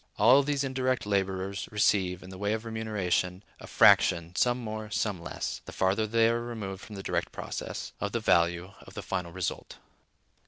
All these indirect laborers receive, in the way of remuneration, a fraction, some more, some less (the farther they are removed from the direct process), of the value of the final result.